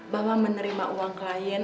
bahwa menerima uang klien